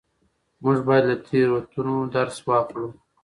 موږ باید له تېروتنو درس واخلو.